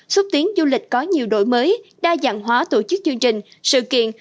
xúc tiến du lịch có nhiều đổi mới đa dạng hóa tổ chức chương trình sự kiện